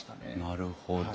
なるほど。